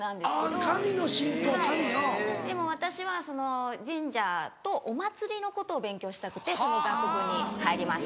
でも私は神社とお祭りのことを勉強したくてその学部に入りました。